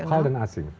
local dan asing